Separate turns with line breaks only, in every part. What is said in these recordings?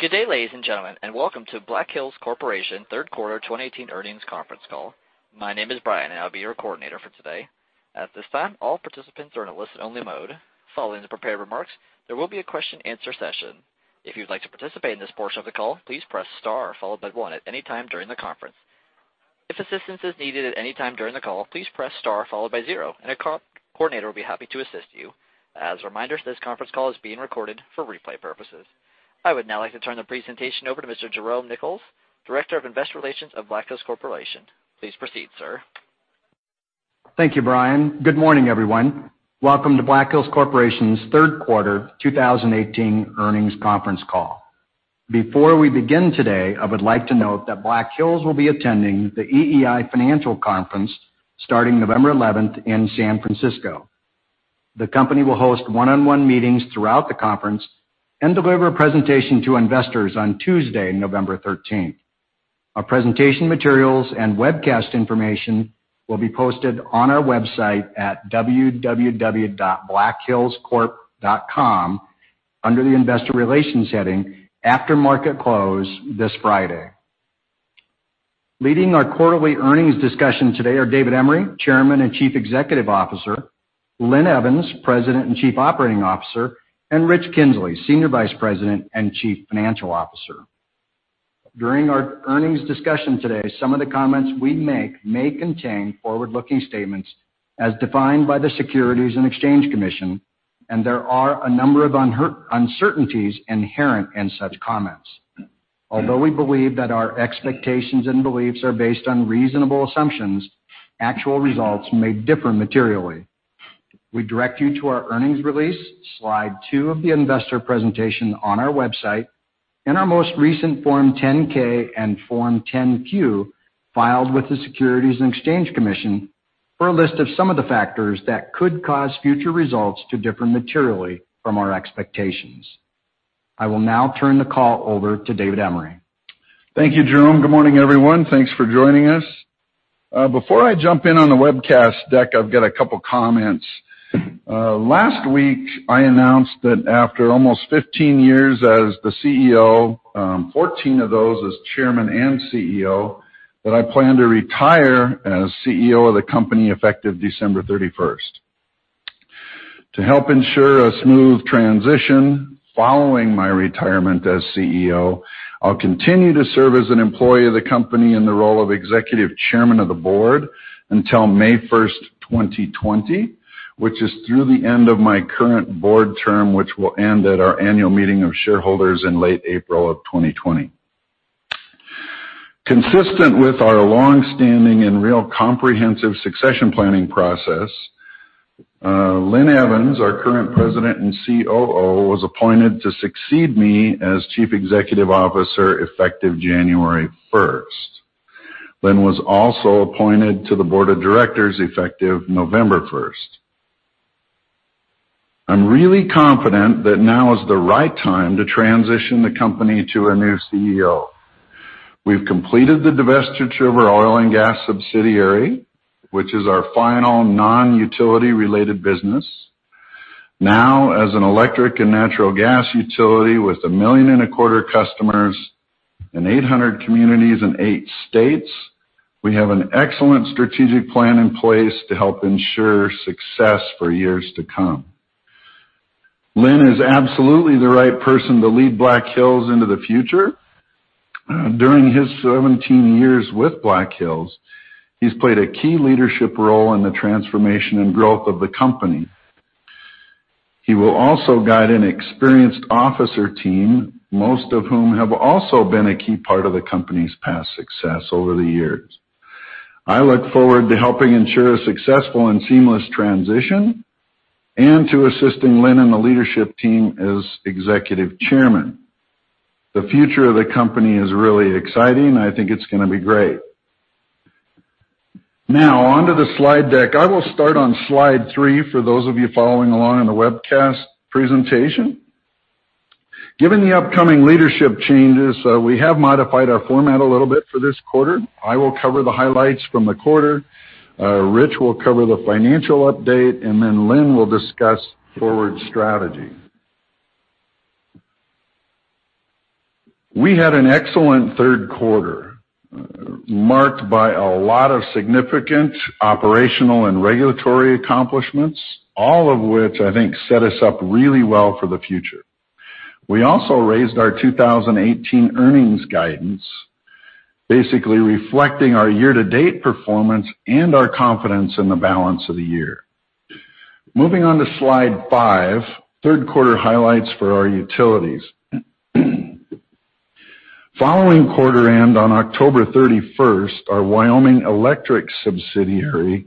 Good day, ladies and gentlemen, welcome to Black Hills Corporation third quarter 2018 earnings conference call. My name is Brian, I'll be your coordinator for today. At this time, all participants are in a listen-only mode. Following the prepared remarks, there will be a question and answer session. If you'd like to participate in this portion of the call, please press star followed by one at any time during the conference. If assistance is needed at any time during the call, please press star followed by zero, a call coordinator will be happy to assist you. As a reminder, this conference call is being recorded for replay purposes. I would now like to turn the presentation over to Mr. Jerome Nichols, Director of Investor Relations of Black Hills Corporation. Please proceed, sir.
Thank you, Brian. Good morning, everyone. Welcome to Black Hills Corporation's third quarter 2018 earnings conference call. Before we begin today, I would like to note that Black Hills will be attending the EEI Financial Conference starting November 11th in San Francisco. The company will host one-on-one meetings throughout the conference, deliver a presentation to investors on Tuesday, November 13th. Our presentation materials and webcast information will be posted on our website at www.blackhillscorp.com under the investor relations heading after market close this Friday. Leading our quarterly earnings discussion today are David Emery, Chairman and Chief Executive Officer, Linn Evans, President and Chief Operating Officer, and Rich Kinzley, Senior Vice President and Chief Financial Officer. During our earnings discussion today, some of the comments we make may contain forward-looking statements as defined by the Securities and Exchange Commission, there are a number of uncertainties inherent in such comments. Although we believe that our expectations and beliefs are based on reasonable assumptions, actual results may differ materially. We direct you to our earnings release, slide two of the investor presentation on our website, our most recent Form 10-K and Form 10-Q filed with the Securities and Exchange Commission for a list of some of the factors that could cause future results to differ materially from our expectations. I will now turn the call over to David Emery.
Thank you, Jerome. Good morning, everyone. Thanks for joining us. Before I jump in on the webcast deck, I've got a couple of comments. Last week, I announced that after almost 15 years as the CEO, 14 of those as chairman and CEO, that I plan to retire as CEO of the company effective December 31st. To help ensure a smooth transition following my retirement as CEO, I'll continue to serve as an employee of the company in the role of executive chairman of the board until May 1st, 2020, which is through the end of my current board term, which will end at our annual meeting of shareholders in late April of 2020. Consistent with our long-standing and real comprehensive succession planning process, Linn Evans, our current president and COO, was appointed to succeed me as chief executive officer effective January 1st. Linn was also appointed to the board of directors effective November 1st. I'm really confident that now is the right time to transition the company to a new CEO. We've completed the divestiture of our oil and gas subsidiary, which is our final non-utility related business. Now, as an electric and natural gas utility with 1.25 million customers in 800 communities in eight states, we have an excellent strategic plan in place to help ensure success for years to come. Linn is absolutely the right person to lead Black Hills into the future. During his 17 years with Black Hills, he's played a key leadership role in the transformation and growth of the company. He will also guide an experienced officer team, most of whom have also been a key part of the company's past success over the years. I look forward to helping ensure a successful and seamless transition and to assisting Linn and the leadership team as executive chairman. The future of the company is really exciting. I think it's going to be great. Onto the slide deck. I will start on slide three for those of you following along on the webcast presentation. Given the upcoming leadership changes, we have modified our format a little bit for this quarter. I will cover the highlights from the quarter. Rich will cover the financial update, and then Linn will discuss forward strategy. We had an excellent third quarter, marked by a lot of significant operational and regulatory accomplishments, all of which I think set us up really well for the future. We also raised our 2018 earnings guidance, basically reflecting our year-to-date performance and our confidence in the balance of the year. Moving on to slide five, third quarter highlights for our utilities. Following quarter end on October 31st, our Wyoming Electric subsidiary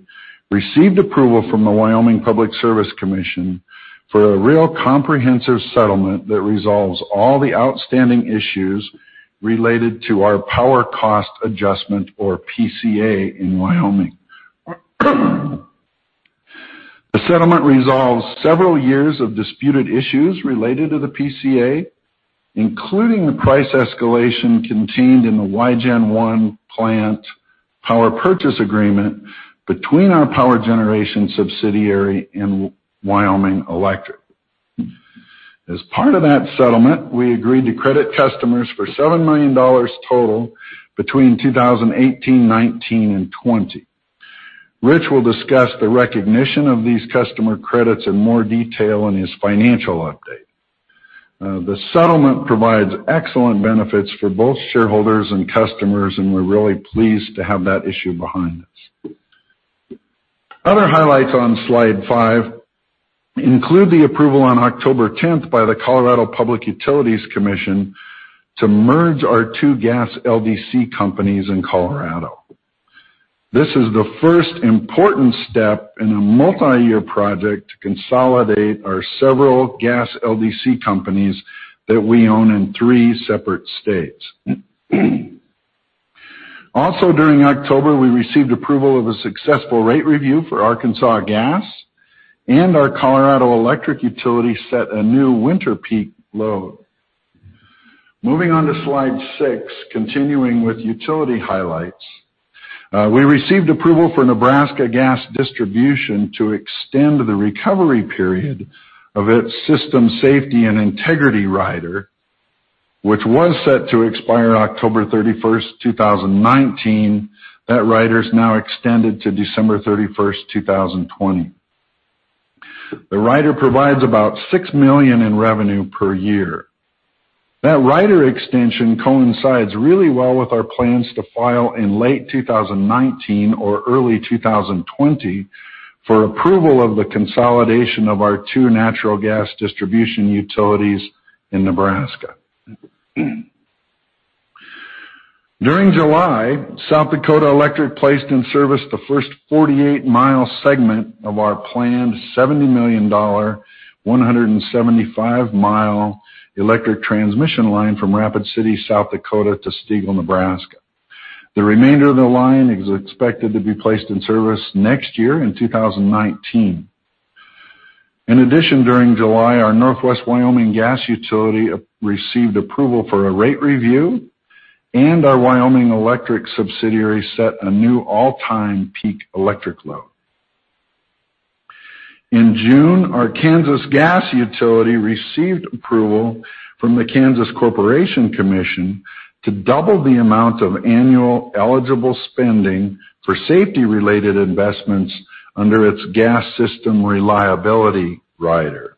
received approval from the Wyoming Public Service Commission for a real comprehensive settlement that resolves all the outstanding issues related to our power cost adjustment, or PCA, in Wyoming. The settlement resolves several years of disputed issues related to the PCA, including the price escalation contained in the Wygen I plant Power purchase agreement between our power generation subsidiary and Wyoming Electric. As part of that settlement, we agreed to credit customers for $7 million total between 2018, 2019, and 2020. Rich will discuss the recognition of these customer credits in more detail in his financial update. The settlement provides excellent benefits for both shareholders and customers, and we're really pleased to have that issue behind us. Other highlights on slide five include the approval on October 10th by the Colorado Public Utilities Commission to merge our two gas LDC companies in Colorado. This is the first important step in a multi-year project to consolidate our several gas LDC companies that we own in three separate states. Also, during October, we received approval of a successful rate review for Arkansas Gas, and our Colorado Electric utility set a new winter peak load. Moving on to slide six, continuing with utility highlights. We received approval for Nebraska Gas Distribution to extend the recovery period of its system safety and integrity rider, which was set to expire October 31st, 2019. That rider is now extended to December 31st, 2020. The rider provides about $6 million in revenue per year. That rider extension coincides really well with our plans to file in late 2019 or early 2020 for approval of the consolidation of our two natural gas distribution utilities in Nebraska. During July, South Dakota Electric placed in service the first 48-mile segment of our planned $70 million, 175-mile electric transmission line from Rapid City, South Dakota to Stegall, Nebraska. The remainder of the line is expected to be placed in service next year in 2019. In addition, during July, our Northwest Wyoming gas utility received approval for a rate review, and our Wyoming Electric subsidiary set a new all-time peak electric load. In June, our Kansas Gas utility received approval from the Kansas Corporation Commission to double the amount of annual eligible spending for safety-related investments under its gas system reliability rider.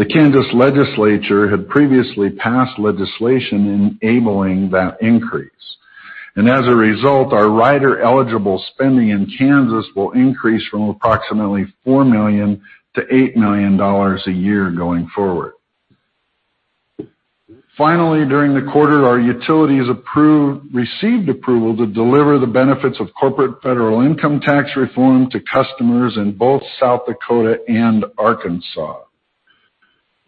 The Kansas legislature had previously passed legislation enabling that increase, and as a result, our rider-eligible spending in Kansas will increase from approximately $4 million to $8 million a year going forward. Finally, during the quarter, our utilities received approval to deliver the benefits of corporate federal income tax reform to customers in both South Dakota and Arkansas.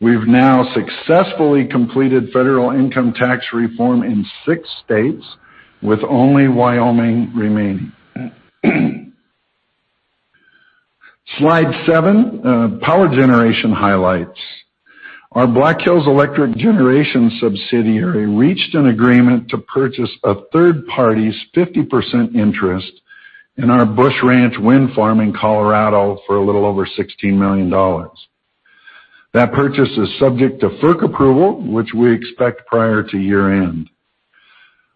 We've now successfully completed federal income tax reform in six states, with only Wyoming remaining. Slide seven, power generation highlights. Our Black Hills Electric Generation subsidiary reached an agreement to purchase a third party's 50% interest in our Busch Ranch Wind Farm in Colorado for a little over $16 million. That purchase is subject to FERC approval, which we expect prior to year-end.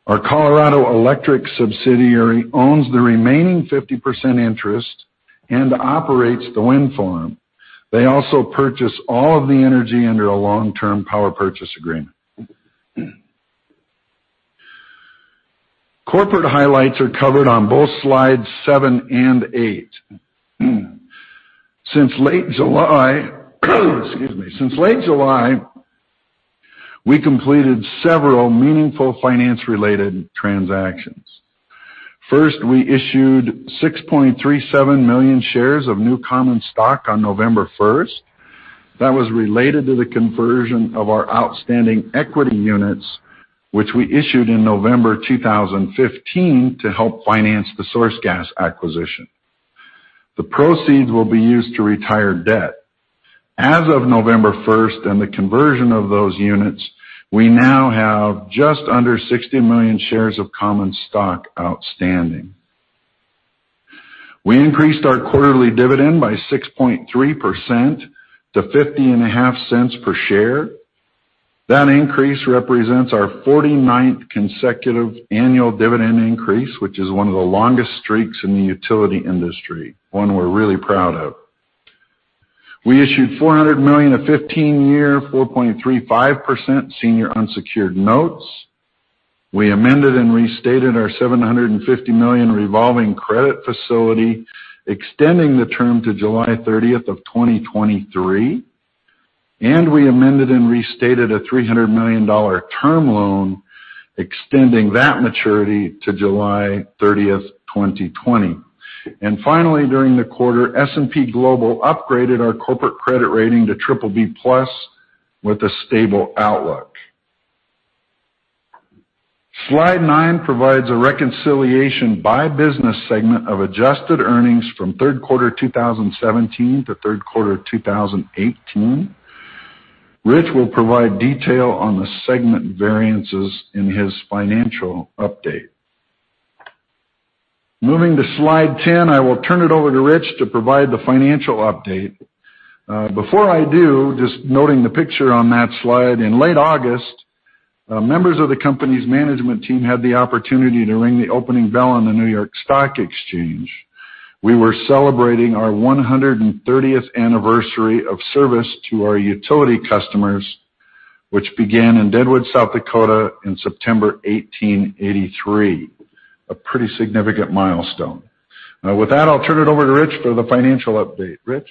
Our Colorado Electric subsidiary owns the remaining 50% interest and operates the wind farm. They also purchase all of the energy under a long-term power purchase agreement. Corporate highlights are covered on both slides seven and eight. Since late July, we completed several meaningful finance-related transactions. First, we issued 6.37 million shares of new common stock on November 1st. That was related to the conversion of our outstanding equity units, which we issued in November 2015 to help finance the SourceGas acquisition. The proceeds will be used to retire debt. As of November 1st and the conversion of those units, we now have just under 60 million shares of common stock outstanding. We increased our quarterly dividend by 6.3% to $0.505 per share. That increase represents our 49th consecutive annual dividend increase, which is one of the longest streaks in the utility industry, one we're really proud of. We issued $400 million of 15-year, 4.35% senior unsecured notes. We amended and restated our $750 million revolving credit facility, extending the term to July 30th of 2023. We amended and restated a $300 million term loan, extending that maturity to July 30th, 2020. Finally, during the quarter, S&P Global upgraded our corporate credit rating to BBB+ with a stable outlook. Slide nine provides a reconciliation by business segment of adjusted earnings from third quarter 2017 to third quarter 2018. Rich will provide detail on the segment variances in his financial update. Moving to slide 10, I will turn it over to Rich to provide the financial update. Before I do, just noting the picture on that slide, in late August, members of the company's management team had the opportunity to ring the opening bell on the New York Stock Exchange. We were celebrating our 130th anniversary of service to our utility customers, which began in Deadwood, South Dakota in September 1883. A pretty significant milestone. With that, I'll turn it over to Rich for the financial update. Rich?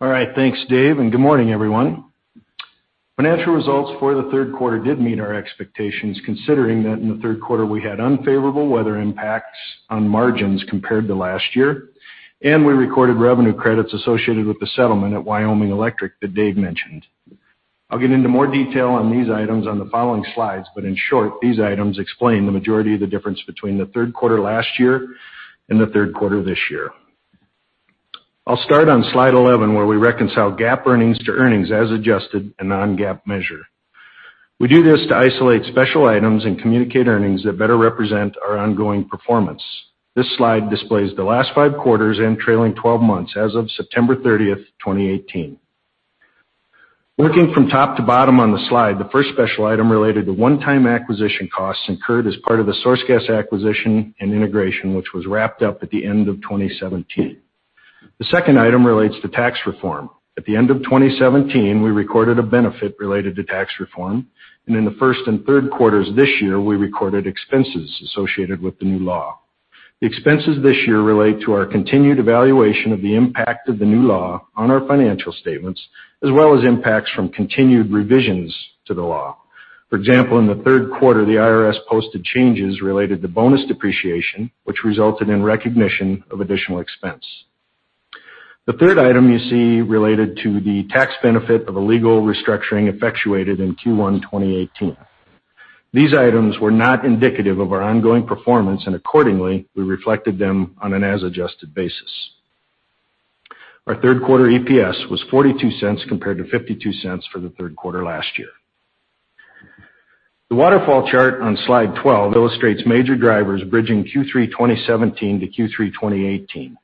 Thanks, Dave, and good morning, everyone. Financial results for the third quarter did meet our expectations, considering that in the third quarter, we had unfavorable weather impacts on margins compared to last year, and we recorded revenue credits associated with the settlement at Wyoming Electric that Dave mentioned. I'll get into more detail on these items on the following slides, but in short, these items explain the majority of the difference between the third quarter last year and the third quarter this year. I'll start on slide 11, where we reconcile GAAP earnings to earnings as adjusted, a non-GAAP measure. We do this to isolate special items and communicate earnings that better represent our ongoing performance. This slide displays the last five quarters and trailing 12 months as of September 30th, 2018. Working from top to bottom on the slide, the first special item related to one-time acquisition costs incurred as part of the SourceGas acquisition and integration, which was wrapped up at the end of 2017. The second item relates to tax reform. At the end of 2017, we recorded a benefit related to tax reform, and in the first and third quarters this year, we recorded expenses associated with the new law. The expenses this year relate to our continued evaluation of the impact of the new law on our financial statements, as well as impacts from continued revisions to the law. For example, in the third quarter, the IRS posted changes related to bonus depreciation, which resulted in recognition of additional expense. The third item you see related to the tax benefit of a legal restructuring effectuated in Q1 2018. These items were not indicative of our ongoing performance, accordingly, we reflected them on an as-adjusted basis. Our third quarter EPS was $0.42 compared to $0.52 for the third quarter last year. The waterfall chart on slide 12 illustrates major drivers bridging Q3 2017 to Q3 2018.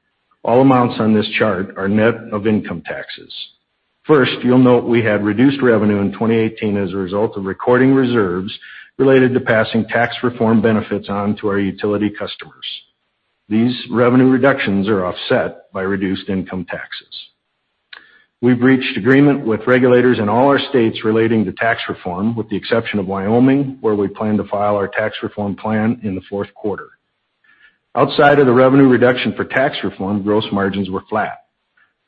All amounts on this chart are net of income taxes. First, you'll note we had reduced revenue in 2018 as a result of recording reserves related to passing tax reform benefits on to our utility customers. These revenue reductions are offset by reduced income taxes. We've reached agreement with regulators in all our states relating to tax reform, with the exception of Wyoming, where we plan to file our tax reform plan in the fourth quarter. Outside of the revenue reduction for tax reform, gross margins were flat.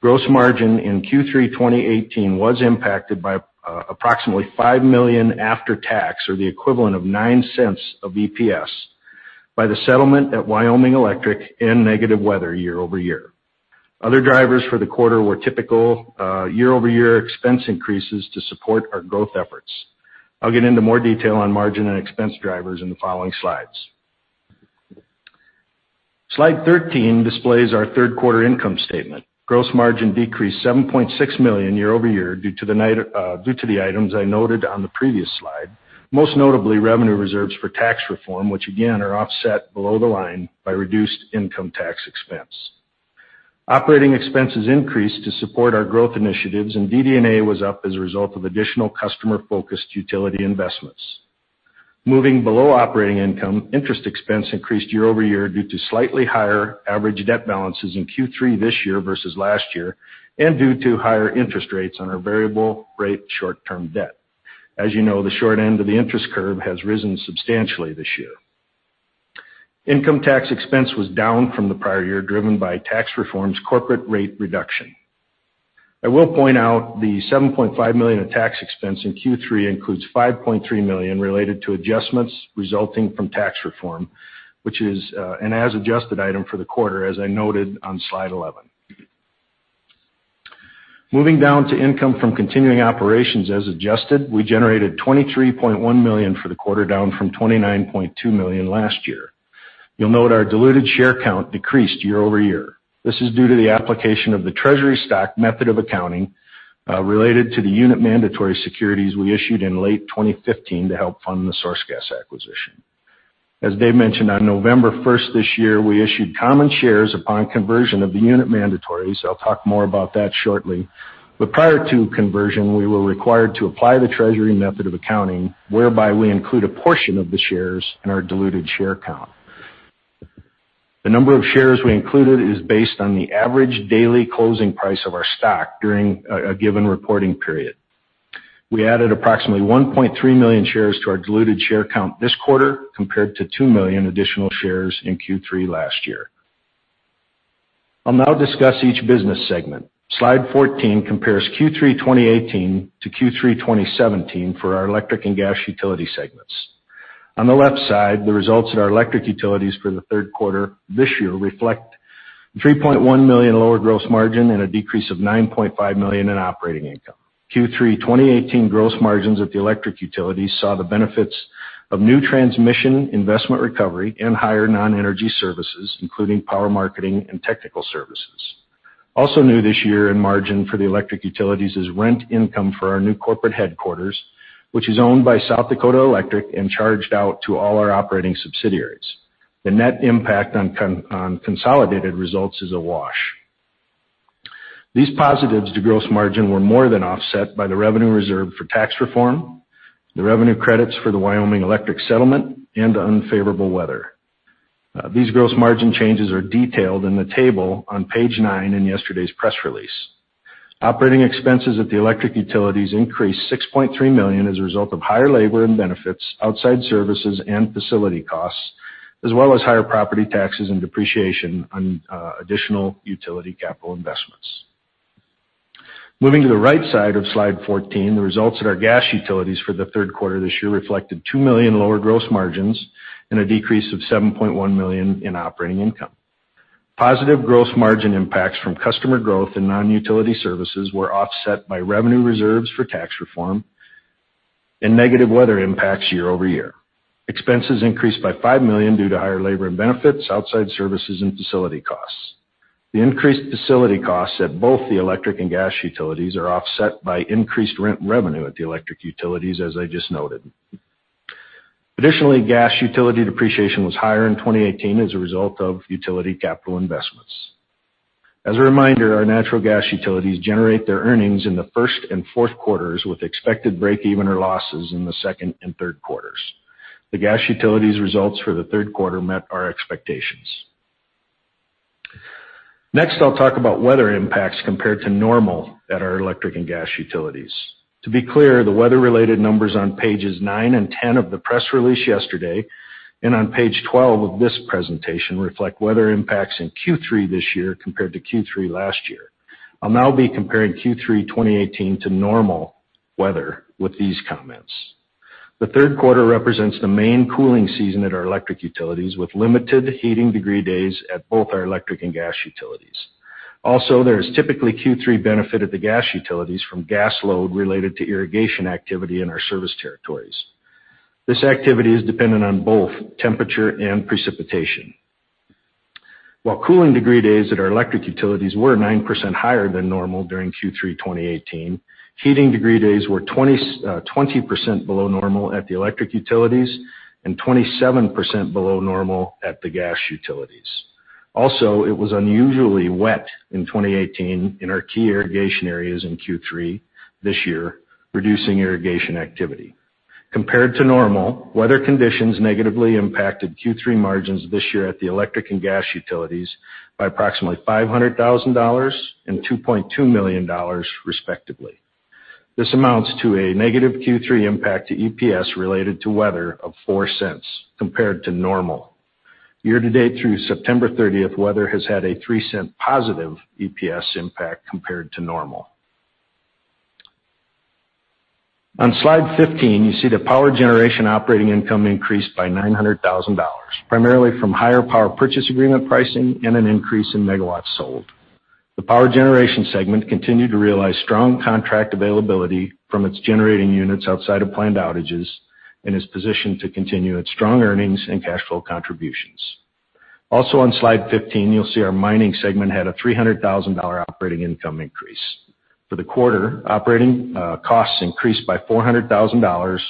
Gross margin in Q3 2018 was impacted by approximately $5 million after tax, or the equivalent of $0.09 of EPS, by the settlement at Wyoming Electric and negative weather year-over-year. Other drivers for the quarter were typical year-over-year expense increases to support our growth efforts. I'll get into more detail on margin and expense drivers in the following slides. Slide 13 displays our third quarter income statement. Gross margin decreased $7.6 million year-over-year due to the items I noted on the previous slide, most notably revenue reserves for tax reform, which again, are offset below the line by reduced income tax expense. Operating expenses increased to support our growth initiatives, and DD&A was up as a result of additional customer-focused utility investments. Moving below operating income, interest expense increased year-over-year due to slightly higher average debt balances in Q3 this year versus last year, and due to higher interest rates on our variable rate short-term debt. As you know, the short end of the interest curve has risen substantially this year. Income tax expense was down from the prior year, driven by tax reform's corporate rate reduction. I will point out the $7.5 million in tax expense in Q3 includes $5.3 million related to adjustments resulting from tax reform, which is an as-adjusted item for the quarter, as I noted on slide 11. Moving down to income from continuing operations as adjusted, we generated $23.1 million for the quarter, down from $29.2 million last year. You'll note our diluted share count decreased year-over-year. This is due to the application of the treasury stock method of accounting, related to the unit mandatory securities we issued in late 2015 to help fund the SourceGas acquisition. As Dave mentioned, on November 1st this year, we issued common shares upon conversion of the unit mandatories. I'll talk more about that shortly. Prior to conversion, we were required to apply the treasury method of accounting, whereby we include a portion of the shares in our diluted share count. The number of shares we included is based on the average daily closing price of our stock during a given reporting period. We added approximately 1.3 million shares to our diluted share count this quarter, compared to 2 million additional shares in Q3 last year. I'll now discuss each business segment. Slide 14 compares Q3 2018 to Q3 2017 for our electric and gas utility segments. On the left side, the results of our electric utilities for the third quarter this year reflect $3.1 million lower gross margin and a decrease of $9.5 million in operating income. Q3 2018 gross margins at the electric utilities saw the benefits of new transmission investment recovery and higher non-energy services, including power marketing and technical services. Also new this year in margin for the electric utilities is rent income for our new corporate headquarters, which is owned by South Dakota Electric and charged out to all our operating subsidiaries. The net impact on consolidated results is a wash. These positives to gross margin were more than offset by the revenue reserve for tax reform, the revenue credits for the Wyoming Electric settlement, and unfavorable weather. These gross margin changes are detailed in the table on page nine in yesterday's press release. Operating expenses at the electric utilities increased $6.3 million as a result of higher labor and benefits, outside services, and facility costs, as well as higher property taxes and depreciation on additional utility capital investments. Moving to the right side of slide 14, the results at our gas utilities for the third quarter this year reflected $2 million lower gross margins and a decrease of $7.1 million in operating income. Positive gross margin impacts from customer growth and non-utility services were offset by revenue reserves for tax reform and negative weather impacts year-over-year. Expenses increased by $5 million due to higher labor and benefits, outside services, and facility costs. The increased facility costs at both the electric and gas utilities are offset by increased rent revenue at the electric utilities, as I just noted. Additionally, gas utility depreciation was higher in 2018 as a result of utility capital investments. As a reminder, our natural gas utilities generate their earnings in the first and fourth quarters, with expected break-even or losses in the second and third quarters. The gas utilities results for the third quarter met our expectations. Next, I'll talk about weather impacts compared to normal at our electric and gas utilities. To be clear, the weather-related numbers on pages nine and 10 of the press release yesterday and on page 12 of this presentation reflect weather impacts in Q3 this year compared to Q3 last year. I'll now be comparing Q3 2018 to normal weather with these comments. The third quarter represents the main cooling season at our electric utilities, with limited heating degree days at both our electric and gas utilities. Also, there is typically Q3 benefit at the gas utilities from gas load related to irrigation activity in our service territories. This activity is dependent on both temperature and precipitation. While cooling degree days at our electric utilities were 9% higher than normal during Q3 2018, heating degree days were 20% below normal at the electric utilities and 27% below normal at the gas utilities. Also, it was unusually wet in 2018 in our key irrigation areas in Q3 this year, reducing irrigation activity. Compared to normal, weather conditions negatively impacted Q3 margins this year at the electric and gas utilities by approximately $500,000 and $2.2 million respectively. This amounts to a negative Q3 impact to EPS related to weather of $0.04 compared to normal. Year-to-date through September 30th, weather has had a $0.03 positive EPS impact compared to normal. On slide 15, you see that power generation operating income increased by $900,000, primarily from higher power purchase agreement pricing and an increase in megawatts sold. The power generation segment continued to realize strong contract availability from its generating units outside of planned outages and is positioned to continue its strong earnings and cash flow contributions. Also on slide 15, you'll see our mining segment had a $300,000 operating income increase. For the quarter, operating costs increased by $400,000,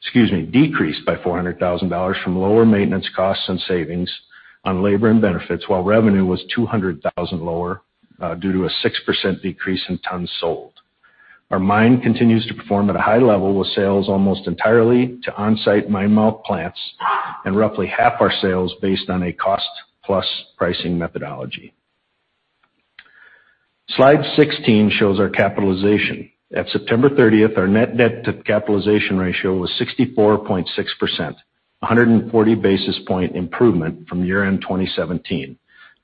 excuse me, decreased by $400,000 from lower maintenance costs and savings on labor and benefits, while revenue was $200,000 lower due to a 6% decrease in tons sold. Our mine continues to perform at a high level with sales almost entirely to on-site mine mouth plants and roughly half our sales based on a cost-plus pricing methodology. Slide 16 shows our capitalization. At September 30th, our net debt to capitalization ratio was 64.6%, 140-basis point improvement from year-end 2017.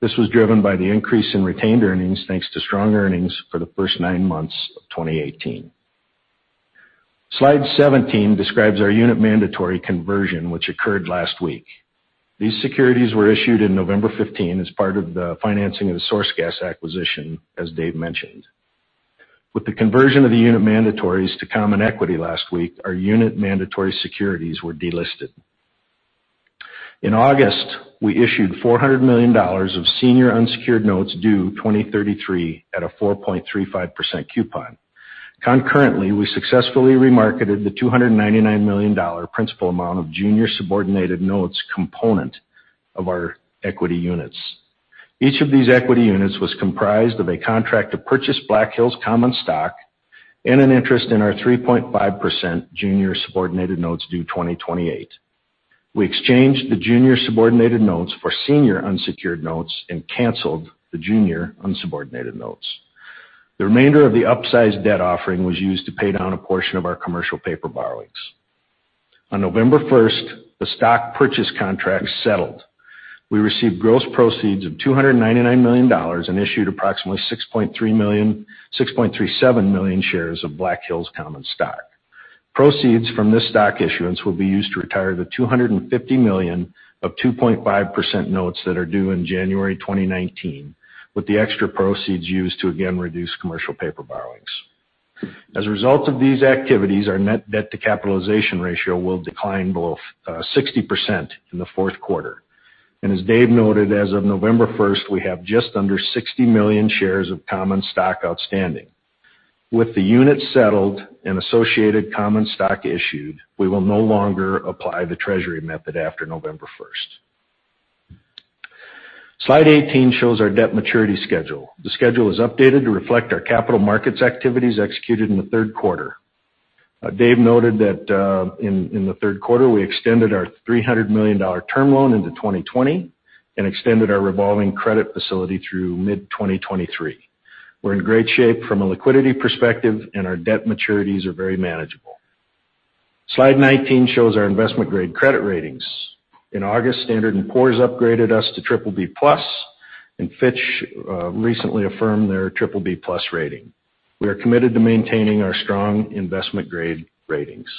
This was driven by the increase in retained earnings, thanks to strong earnings for the first nine months of 2018. Slide 17 describes our unit mandatory conversion, which occurred last week. These securities were issued in November 15 as part of the financing of the SourceGas acquisition, as Dave mentioned. With the conversion of the unit mandatories to common equity last week, our unit mandatory securities were delisted. In August, we issued $400 million of senior unsecured notes due 2033 at a 4.35% coupon. Concurrently, we successfully remarketed the $299 million principal amount of junior subordinated notes component of our equity units. Each of these equity units was comprised of a contract to purchase Black Hills common stock and an interest in our 3.5% junior subordinated notes due 2028. We exchanged the junior subordinated notes for senior unsecured notes and canceled the junior subordinated notes. The remainder of the upsized debt offering was used to pay down a portion of our commercial paper borrowings. On November 1st, the stock purchase contract settled. We received gross proceeds of $299 million and issued approximately 6.37 million shares of Black Hills common stock. Proceeds from this stock issuance will be used to retire the $250 million of 2.5% notes that are due in January 2019, with the extra proceeds used to again reduce commercial paper borrowings. As a result of these activities, our net debt to capitalization ratio will decline below 60% in the fourth quarter. As Dave noted, as of November 1st, we have just under 60 million shares of common stock outstanding. With the units settled and associated common stock issued, we will no longer apply the treasury method after November 1st. Slide 18 shows our debt maturity schedule. The schedule is updated to reflect our capital markets activities executed in the third quarter. Dave noted that in the third quarter, we extended our $300 million term loan into 2020 and extended our revolving credit facility through mid-2023. We're in great shape from a liquidity perspective, and our debt maturities are very manageable. Slide 19 shows our investment-grade credit ratings. In August, Standard & Poor's upgraded us to BBB+, and Fitch recently affirmed their BBB+ rating. We are committed to maintaining our strong investment-grade ratings.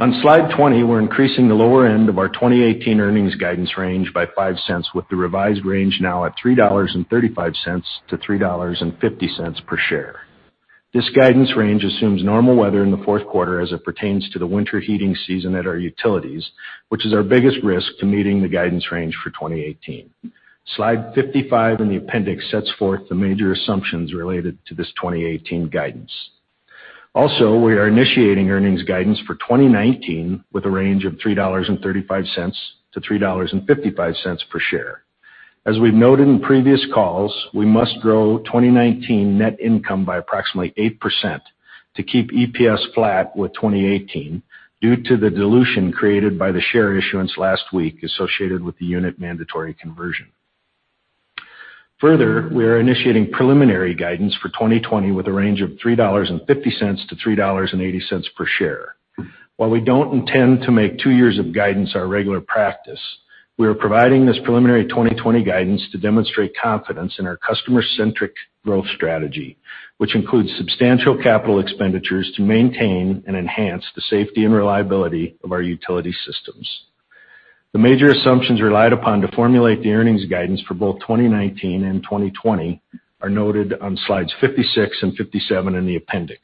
On slide 20, we're increasing the lower end of our 2018 earnings guidance range by $0.05, with the revised range now at $3.35-$3.50 per share. This guidance range assumes normal weather in the fourth quarter as it pertains to the winter heating season at our utilities, which is our biggest risk to meeting the guidance range for 2018. Slide 55 in the appendix sets forth the major assumptions related to this 2018 guidance. We are initiating earnings guidance for 2019 with a range of $3.35-$3.55 per share. We've noted in previous calls, we must grow 2019 net income by approximately 8% to keep EPS flat with 2018 due to the dilution created by the share issuance last week associated with the unit mandatory conversion. We are initiating preliminary guidance for 2020 with a range of $3.50-$3.80 per share. While we don't intend to make two years of guidance our regular practice, we are providing this preliminary 2020 guidance to demonstrate confidence in our customer-centric growth strategy, which includes substantial Capital Expenditures to maintain and enhance the safety and reliability of our utility systems. The major assumptions relied upon to formulate the earnings guidance for both 2019 and 2020 are noted on slides 56 and 57 in the appendix.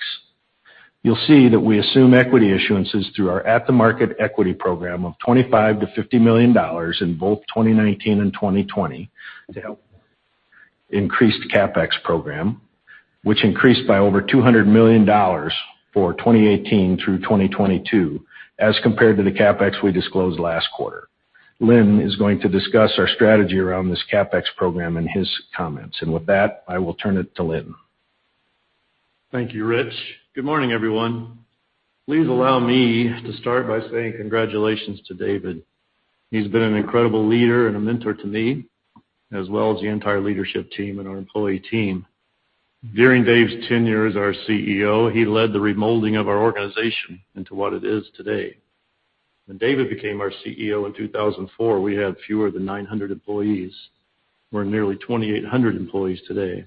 You'll see that we assume equity issuances through our at-the-market equity program of $25 million to $50 million in both 2019 and 2020 to help increased CapEx program, which increased by over $200 million for 2018 through 2022 as compared to the CapEx we disclosed last quarter. Linn is going to discuss our strategy around this CapEx program in his comments. With that, I will turn it to Linn.
Thank you, Rich. Good morning, everyone. Please allow me to start by saying congratulations to David. He's been an incredible leader and a mentor to me, as well as the entire leadership team and our employee team. During Dave's tenure as our CEO, he led the remolding of our organization into what it is today. When David became our CEO in 2004, we had fewer than 900 employees. We're nearly 2,800 employees today.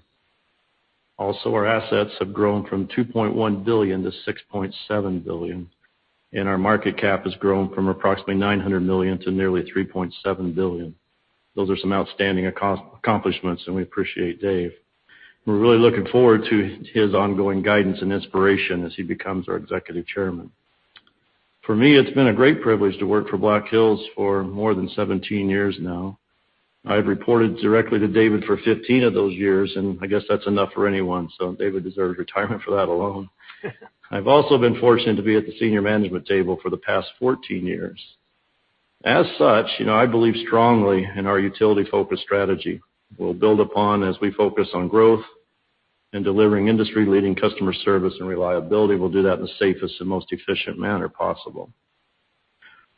Also, our assets have grown from $2.1 billion to $6.7 billion, and our market cap has grown from approximately $900 million to nearly $3.7 billion. Those are some outstanding accomplishments, and we appreciate Dave. We're really looking forward to his ongoing guidance and inspiration as he becomes our executive chairman. For me, it's been a great privilege to work for Black Hills for more than 17 years now. I've reported directly to David for 15 of those years, and I guess that's enough for anyone, so David deserves retirement for that alone. I've also been fortunate to be at the senior management table for the past 14 years. As such, I believe strongly in our utility-focused strategy we'll build upon as we focus on growth and delivering industry-leading customer service and reliability. We'll do that in the safest and most efficient manner possible.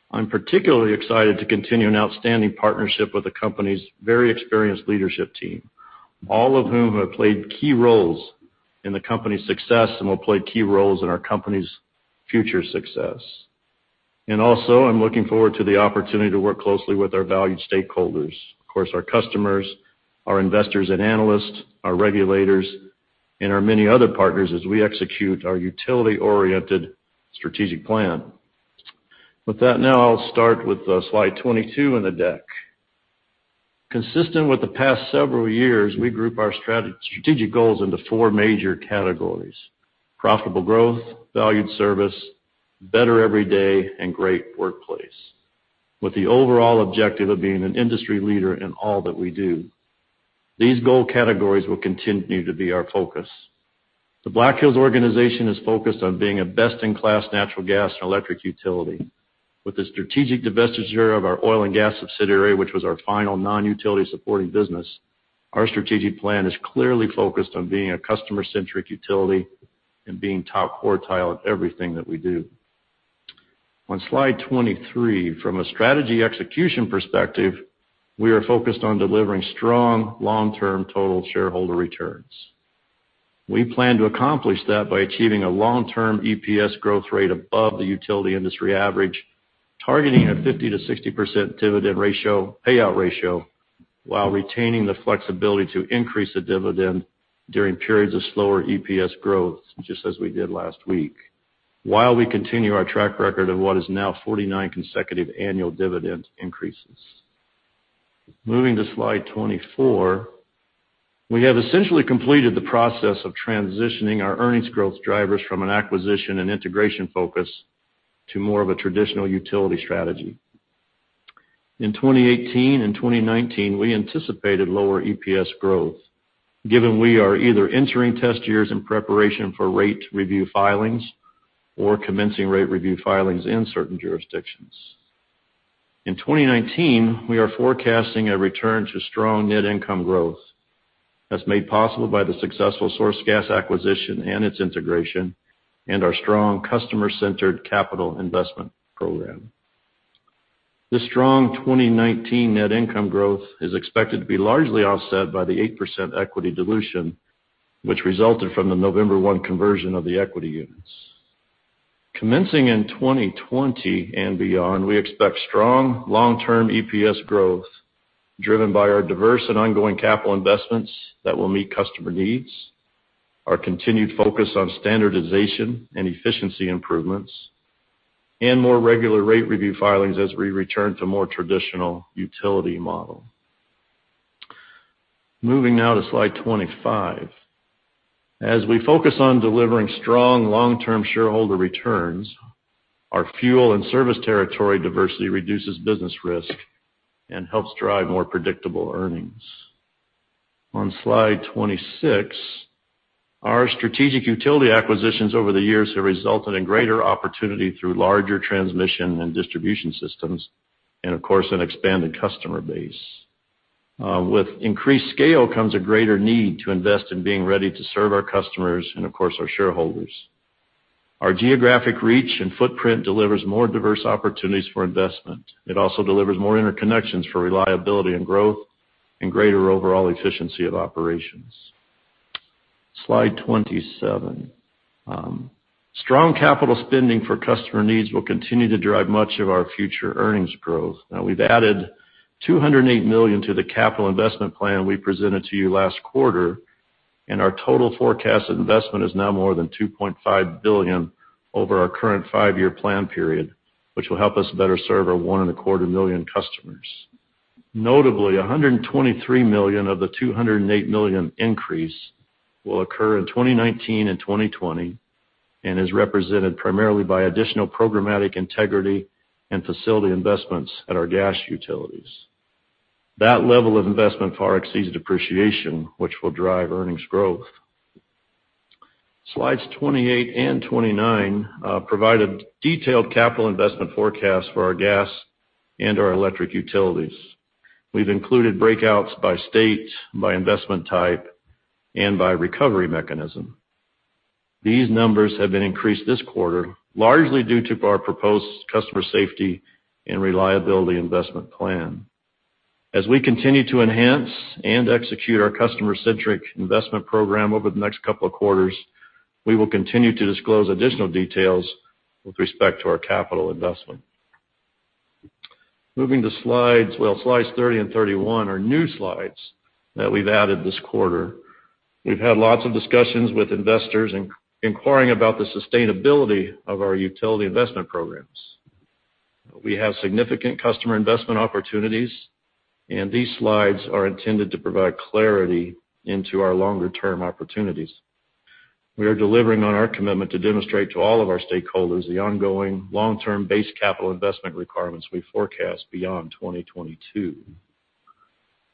I'm particularly excited to continue an outstanding partnership with the company's very experienced leadership team, all of whom have played key roles in the company's success and will play key roles in our company's future success. Also, I'm looking forward to the opportunity to work closely with our valued stakeholders. Of course, our customers, our investors and analysts, our regulators, and our many other partners as we execute our utility-oriented strategic plan. With that, now I'll start with slide 22 in the deck. Consistent with the past several years, we group our strategic goals into 4 major categories: profitable growth, valued service, better every day, and great workplace, with the overall objective of being an industry leader in all that we do. These goal categories will continue to be our focus. The Black Hills organization is focused on being a best-in-class natural gas and electric utility. With the strategic divestiture of our oil and gas subsidiary, which was our final non-utility supporting business, our strategic plan is clearly focused on being a customer-centric utility and being top quartile at everything that we do. On slide 23, from a strategy execution perspective, we are focused on delivering strong long-term total shareholder returns. We plan to accomplish that by achieving a long-term EPS growth rate above the utility industry average, targeting a 50%-60% dividend payout ratio, while retaining the flexibility to increase the dividend during periods of slower EPS growth, just as we did last week. While we continue our track record of what is now 49 consecutive annual dividend increases. Moving to slide 24. We have essentially completed the process of transitioning our earnings growth drivers from an acquisition and integration focus to more of a traditional utility strategy. In 2018 and 2019, we anticipated lower EPS growth, given we are either entering test years in preparation for rate review filings or commencing rate review filings in certain jurisdictions. In 2019, we are forecasting a return to strong net income growth as made possible by the successful SourceGas acquisition and its integration and our strong customer-centered capital investment program. The strong 2019 net income growth is expected to be largely offset by the 8% equity dilution, which resulted from the November 1 conversion of the equity units. Commencing in 2020 and beyond, we expect strong long-term EPS growth, driven by our diverse and ongoing capital investments that will meet customer needs, our continued focus on standardization and efficiency improvements, and more regular rate review filings as we return to more traditional utility model. Moving now to slide 25. As we focus on delivering strong long-term shareholder returns, our fuel and service territory diversity reduces business risk and helps drive more predictable earnings. On slide 26, our strategic utility acquisitions over the years have resulted in greater opportunity through larger transmission and distribution systems, and of course, an expanded customer base. With increased scale comes a greater need to invest in being ready to serve our customers and of course, our shareholders. Our geographic reach and footprint delivers more diverse opportunities for investment. It also delivers more interconnections for reliability and growth and greater overall efficiency of operations. Slide 27. Strong capital spending for customer needs will continue to drive much of our future earnings growth. Now, we've added $208 million to the capital investment plan we presented to you last quarter, and our total forecast investment is now more than $2.5 billion over our current five-year plan period, which will help us better serve our one and a quarter million customers. Notably, $123 million of the $208 million increase will occur in 2019 and 2020 and is represented primarily by additional programmatic integrity and facility investments at our gas utilities. That level of investment far exceeds depreciation, which will drive earnings growth. Slides 28 and 29 provide a detailed capital investment forecast for our gas and our electric utilities. We've included breakouts by state, by investment type, and by recovery mechanism. These numbers have been increased this quarter, largely due to our proposed customer safety and reliability investment plan. As we continue to enhance and execute our customer-centric investment program over the next couple of quarters, we will continue to disclose additional details with respect to our capital investment. Moving to slides, well, slides 30 and 31 are new slides that we've added this quarter. We've had lots of discussions with investors inquiring about the sustainability of our utility investment programs. We have significant customer investment opportunities, and these slides are intended to provide clarity into our longer-term opportunities. We are delivering on our commitment to demonstrate to all of our stakeholders the ongoing long-term base capital investment requirements we forecast beyond 2022.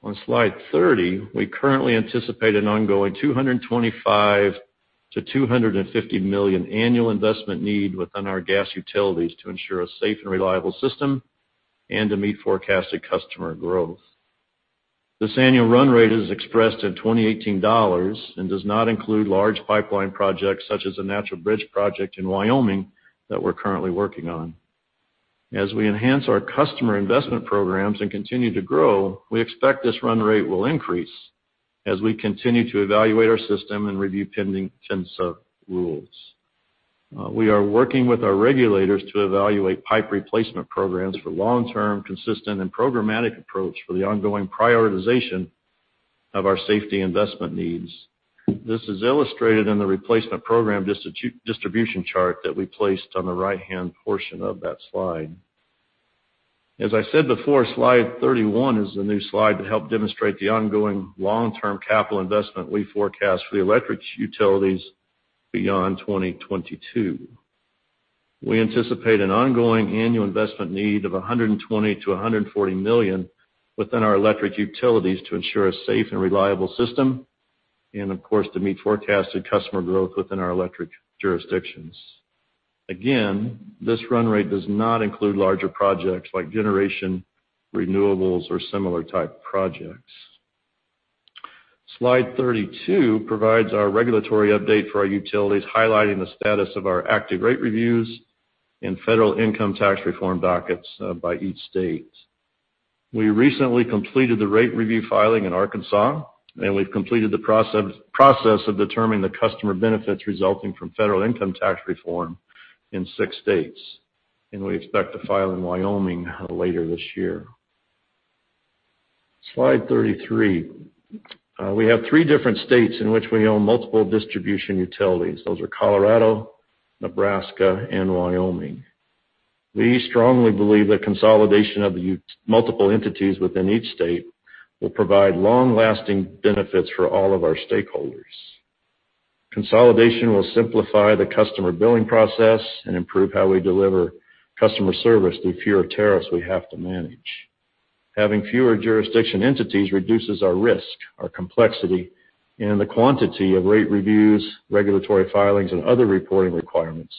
On slide 30, we currently anticipate an ongoing $225 million-$250 million annual investment need within our gas utilities to ensure a safe and reliable system and to meet forecasted customer growth. This annual run rate is expressed in 2018 dollars and does not include large pipeline projects such as the Natural Bridge project in Wyoming that we are currently working on. As we enhance our customer investment programs and continue to grow, we expect this run rate will increase as we continue to evaluate our system and review pending PHMSA rules. We are working with our regulators to evaluate pipe replacement programs for long-term, consistent, and programmatic approach for the ongoing prioritization of our safety investment needs. This is illustrated in the replacement program distribution chart that we placed on the right-hand portion of that slide. As I said before, slide 31 is the new slide to help demonstrate the ongoing long-term capital investment we forecast for the electric utilities beyond 2022. We anticipate an ongoing annual investment need of $120 million-$140 million within our electric utilities to ensure a safe and reliable system and, of course, to meet forecasted customer growth within our electric jurisdictions. Again, this run rate does not include larger projects like generation, renewables, or similar type projects. Slide 32 provides our regulatory update for our utilities, highlighting the status of our active rate reviews and federal income tax reform dockets by each state. We recently completed the rate review filing in Arkansas, and we've completed the process of determining the customer benefits resulting from federal income tax reform in six states, and we expect to file in Wyoming later this year. Slide 33. We have three different states in which we own multiple distribution utilities. Those are Colorado, Nebraska, and Wyoming. We strongly believe that consolidation of the multiple entities within each state will provide long-lasting benefits for all of our stakeholders. Consolidation will simplify the customer billing process and improve how we deliver customer service through fewer tariffs we have to manage. Having fewer jurisdiction entities reduces our risk, our complexity, and the quantity of rate reviews, regulatory filings, and other reporting requirements.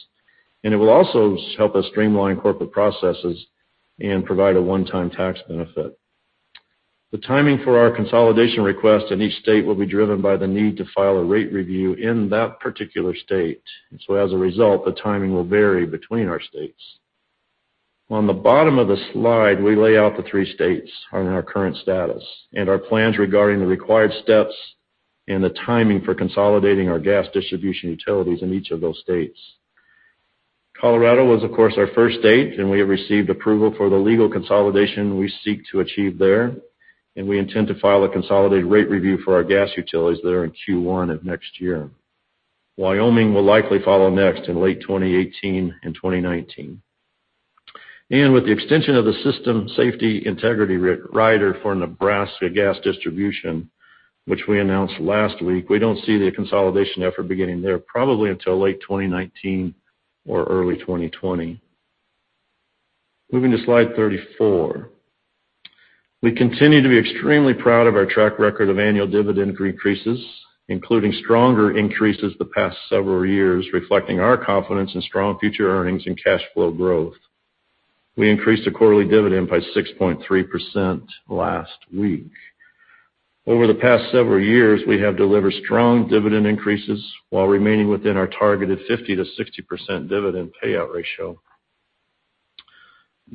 It will also help us streamline corporate processes and provide a one-time tax benefit. The timing for our consolidation request in each state will be driven by the need to file a rate review in that particular state. As a result, the timing will vary between our states. On the bottom of the slide, we lay out the three states on our current status and our plans regarding the required steps and the timing for consolidating our gas distribution utilities in each of those states. Colorado was, of course, our first state, and we have received approval for the legal consolidation we seek to achieve there, and we intend to file a consolidated rate review for our gas utilities there in Q1 of next year. Wyoming will likely follow next in late 2018 and 2019. With the extension of the system safety integrity rider for Nebraska Gas Distribution, which we announced last week, we don't see the consolidation effort beginning there probably until late 2019 or early 2020. Moving to slide 34. We continue to be extremely proud of our track record of annual dividend increases, including stronger increases the past several years, reflecting our confidence in strong future earnings and cash flow growth. We increased the quarterly dividend by 6.3% last week. Over the past several years, we have delivered strong dividend increases while remaining within our targeted 50%-60% dividend payout ratio.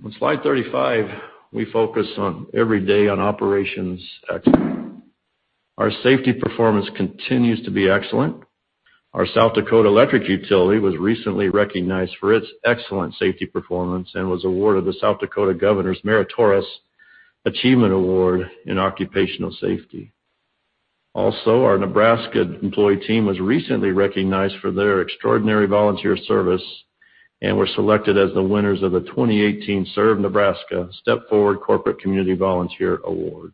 On slide 35, we focus every day on operations activity. Our safety performance continues to be excellent. Our South Dakota electric utility was recently recognized for its excellent safety performance and was awarded the South Dakota Governor's Meritorious Achievement Award in Occupational Safety. Our Nebraska employee team was recently recognized for their extraordinary volunteer service and were selected as the winners of the 2018 ServeNebraska Step Forward Corporate Community Volunteer Award.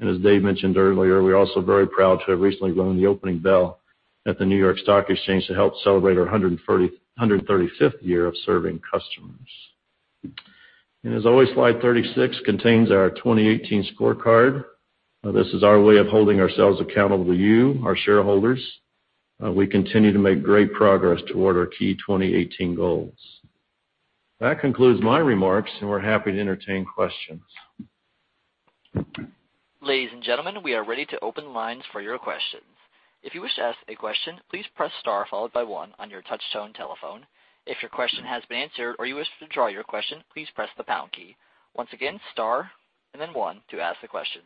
As Dave mentioned earlier, we're also very proud to have recently rung the opening bell at the New York Stock Exchange to help celebrate our 135th year of serving customers. As always, slide 36 contains our 2018 scorecard. This is our way of holding ourselves accountable to you, our shareholders. We continue to make great progress toward our key 2018 goals. That concludes my remarks, and we're happy to entertain questions.
Ladies and gentlemen, we are ready to open lines for your questions. If you wish to ask a question, please press star 1 on your touch-tone telephone. If your question has been answered or you wish to withdraw your question, please press the pound key. Once again, star 1 to ask the question.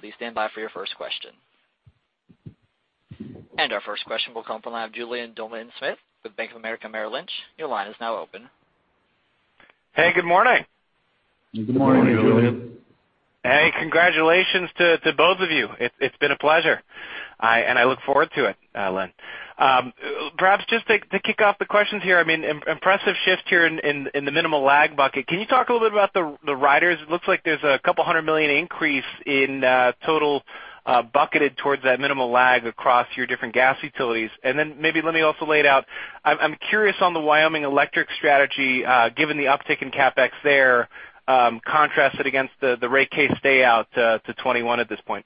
Please stand by for your first question. Our first question will come from the line of Julien Dumoulin-Smith with Bank of America Merrill Lynch. Your line is now open.
Hey, good morning.
Good morning, Julien.
Good morning.
Hey, congratulations to both of you. It's been a pleasure, and I look forward to it, Linn. Perhaps just to kick off the questions here, impressive shift here in the minimal lag bucket. Can you talk a little bit about the riders? It looks like there's a couple hundred million increase in total bucketed towards that minimal lag across your different gas utilities. Maybe let me also lay it out. I'm curious on the Wyoming Electric strategy, given the uptick in CapEx there, contrasted against the rate case stay out to 2021 at this point.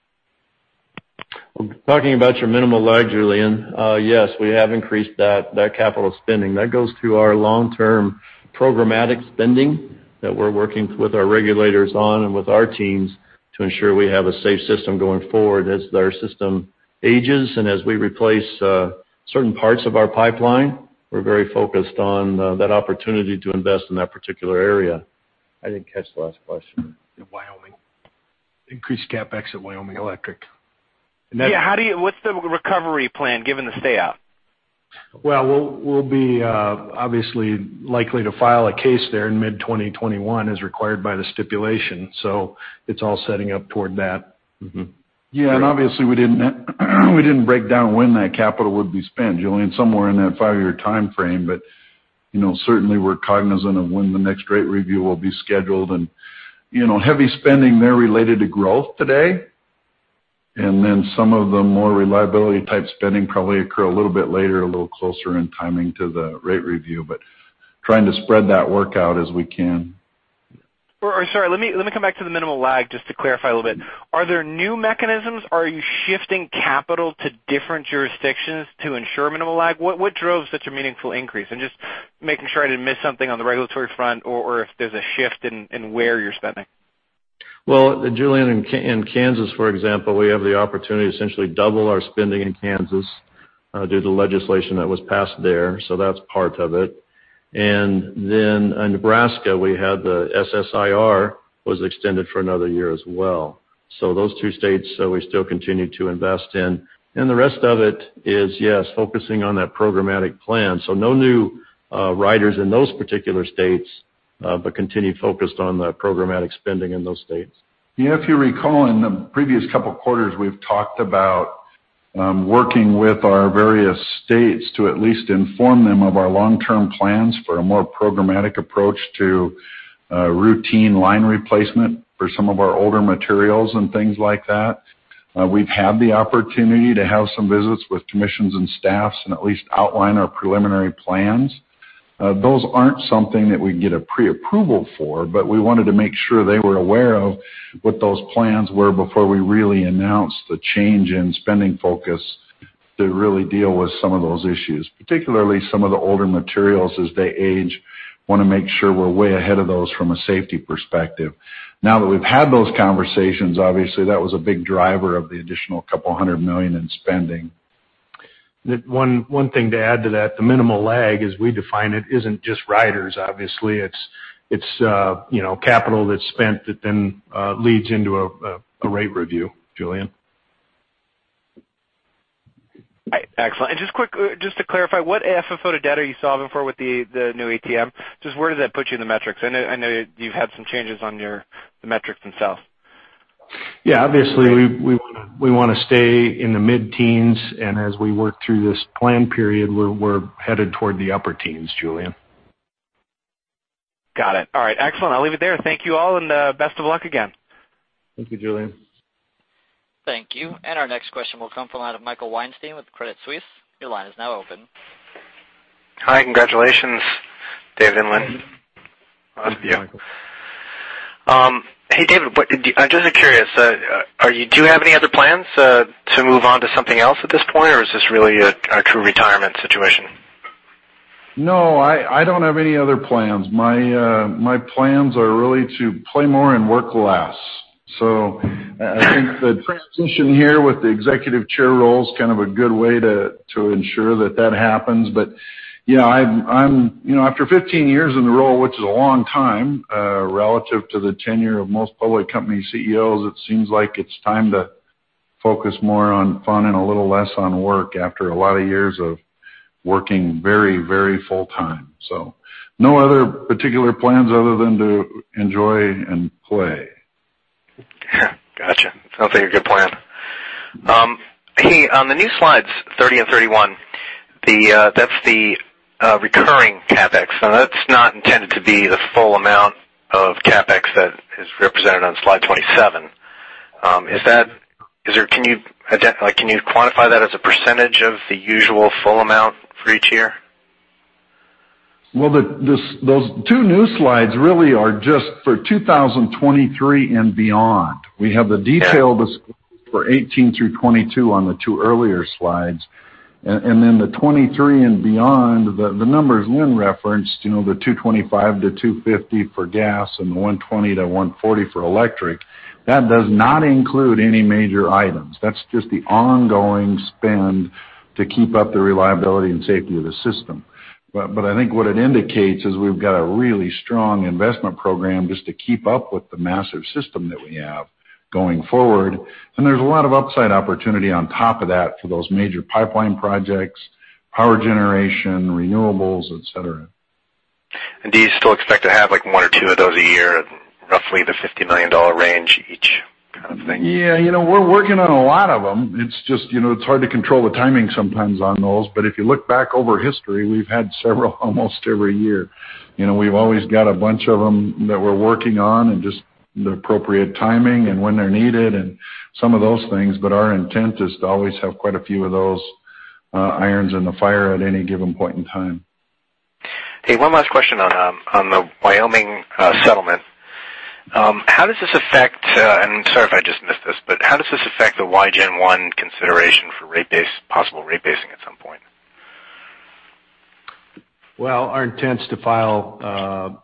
Talking about your minimal lag, Julien, yes, we have increased that capital spending. That goes to our long-term programmatic spending that we're working with our regulators on and with our teams to ensure we have a safe system going forward. As our system ages and as we replace certain parts of our pipeline, we're very focused on that opportunity to invest in that particular area.
I didn't catch the last question.
Wyoming. Increased CapEx at Wyoming Electric.
Yeah. What's the recovery plan given the stay out?
Well, we'll be obviously likely to file a case there in mid-2021 as required by the stipulation. It's all setting up toward that. Mm-hmm.
Yeah, obviously we didn't break down when that capital would be spent, Julien, somewhere in that five-year timeframe. Certainly, we're cognizant of when the next rate review will be scheduled and heavy spending there related to growth today, then some of the more reliability type spending probably occur a little bit later, a little closer in timing to the rate review, but trying to spread that work out as we can.
Sorry, let me come back to the minimal lag just to clarify a little bit. Are there new mechanisms? Are you shifting capital to different jurisdictions to ensure minimal lag? What drove such a meaningful increase? Just making sure I didn't miss something on the regulatory front or if there's a shift in where you're spending.
Well, Julien, in Kansas, for example, we have the opportunity to essentially double our spending in Kansas due to legislation that was passed there, that's part of it. Then in Nebraska, we had the SSIR was extended for another year as well. Those two states, so we still continue to invest in. The rest of it is, yes, focusing on that programmatic plan. No new riders in those particular states, but continue focused on the programmatic spending in those states.
If you recall, in the previous couple of quarters, we've talked about
I'm working with our various states to at least inform them of our long-term plans for a more programmatic approach to routine line replacement for some of our older materials and things like that. We've had the opportunity to have some visits with commissions and staffs and at least outline our preliminary plans. Those aren't something that we can get a preapproval for, but we wanted to make sure they were aware of what those plans were before we really announced the change in spending focus to really deal with some of those issues. Particularly, some of the older materials as they age, want to make sure we're way ahead of those from a safety perspective. Now that we've had those conversations, obviously, that was a big driver of the additional $200 million in spending.
One thing to add to that, the minimal lag, as we define it, isn't just riders, obviously. It's capital that's spent that then leads into a rate review, Julien.
Excellent. Just quick, just to clarify, what FFO to debt are you solving for with the new ATM? Just where does that put you in the metrics? I know you've had some changes on the metrics themselves.
Yeah, obviously, we want to stay in the mid-teens, and as we work through this plan period, we're headed toward the upper teens, Julien.
Got it. All right. Excellent. I'll leave it there. Thank you all, and best of luck again.
Thank you, Julien.
Thank you. Our next question will come from Michael Weinstein with Credit Suisse. Your line is now open.
Hi. Congratulations, Dave and Linn.
Thank you.
Hey, David, I'm just curious, do you have any other plans to move on to something else at this point, or is this really a true retirement situation?
No, I don't have any other plans. My plans are really to play more and work less. I think the transition here with the executive chair role is kind of a good way to ensure that that happens. After 15 years in the role, which is a long time, relative to the tenure of most public company CEOs, it seems like it's time to focus more on fun and a little less on work after a lot of years of working very full time. No other particular plans other than to enjoy and play.
Got you. Sounds like a good plan. Hey, on the new slides 30 and 31, that's the recurring CapEx. That's not intended to be the full amount of CapEx that is represented on slide 27. Can you quantify that as a percentage of the usual full amount for each year?
Those two new slides really are just for 2023 and beyond. We have the detail that is for 2018 through 2022 on the two earlier slides. The 2023 and beyond, the numbers Linn referenced, the $225-$250 for gas and the $120-$140 for electric, that does not include any major items. That is just the ongoing spend to keep up the reliability and safety of the system. I think what it indicates is we have got a really strong investment program just to keep up with the massive system that we have going forward. There is a lot of upside opportunity on top of that for those major pipeline projects, power generation, renewables, et cetera.
Do you still expect to have one or two of those a year at roughly the $50 million range each kind of thing?
We are working on a lot of them. It is hard to control the timing sometimes on those. If you look back over history, we have had several almost every year. We have always got a bunch of them that we are working on and just the appropriate timing and when they are needed and some of those things. Our intent is to always have quite a few of those irons in the fire at any given point in time.
One last question on the Wyoming settlement. How does this affect, and sorry if I just missed this, how does this affect the Wygen I consideration for possible rate basing at some point?
Our intent is to file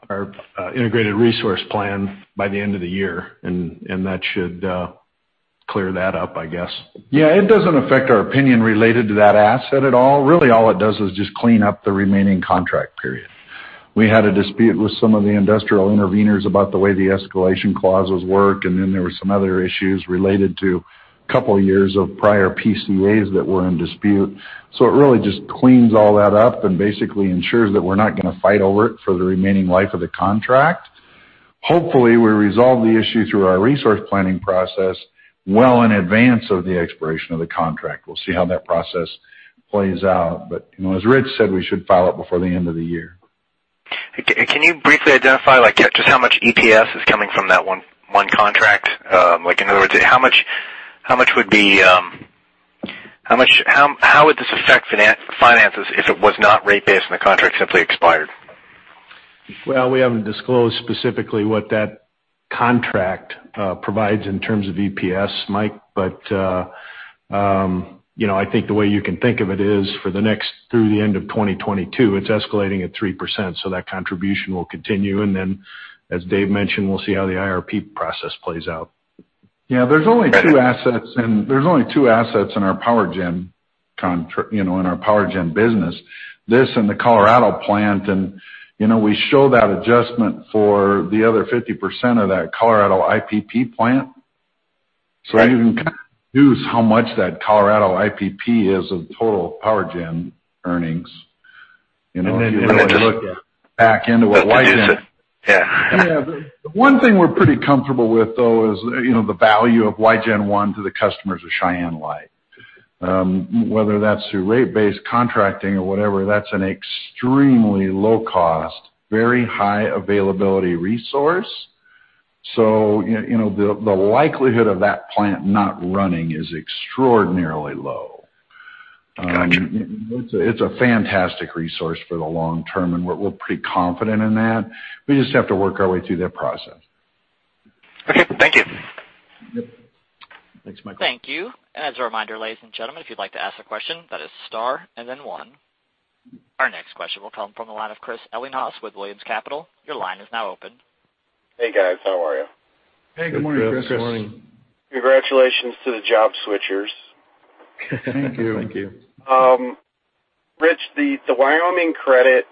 our Integrated Resource Plan by the end of the year. That should clear that up, I guess.
It doesn't affect our opinion related to that asset at all. Really, all it does is just clean up the remaining contract period. We had a dispute with some of the industrial interveners about the way the escalation clauses work. There were some other issues related to a couple of years of prior PCAs that were in dispute. It really just cleans all that up and basically ensures that we're not going to fight over it for the remaining life of the contract. Hopefully, we resolve the issue through our resource planning process well in advance of the expiration of the contract. We'll see how that process plays out. As Rich said, we should file it before the end of the year.
Can you briefly identify just how much EPS is coming from that one contract? In other words, how would this affect finances if it was not rate-based and the contract simply expired?
We haven't disclosed specifically what that contract provides in terms of EPS, Mike. I think the way you can think of it is for through the end of 2022, it's escalating at 3%. That contribution will continue. As Dave mentioned, we'll see how the IRP process plays out.
Yeah, there's only two assets in our power gen business, this and the Colorado plant. We show that adjustment for the other 50% of that Colorado IPP plant. You can kind of deduce how much that Colorado IPP is of the total power gen earnings. Then you look back into a Wygen.
Yeah. Yeah. One thing we're pretty comfortable with, though, is the value of Wygen I to the customers of Cheyenne Light. Whether that's through rate-based contracting or whatever, that's an extremely low cost, very high availability resource. The likelihood of that plant not running is extraordinarily low.
Got you.
It's a fantastic resource for the long term, and we're pretty confident in that. We just have to work our way through that process.
Okay. Thank you.
Yep. Thanks, Michael.
Thank you. As a reminder, ladies and gentlemen, if you'd like to ask a question, that is star and then one. Our next question will come from the line of Chris Ellinghaus with Williams Capital. Your line is now open.
Hey, guys. How are you?
Hey, good morning, Chris.
Good morning.
Congratulations to the job switchers.
Thank you.
Thank you.
Rich, the Wyoming credit,